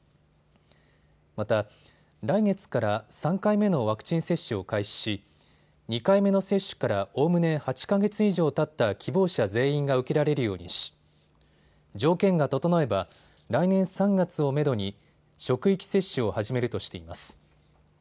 また来月から３回目のワクチン接種を開始し２回目の接種からおおむね８か月以上たった希望者全員が受けられるようにし条件が整えば来年３月をめどに職域接種を始めるとしています。